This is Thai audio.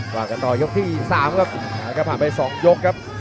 ว่ากันต่อยกที่๓ครับก็ผ่านไป๒ยกครับ